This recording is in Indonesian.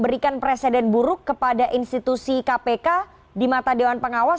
berikan presiden buruk kepada institusi kpk di mata dewan pengawas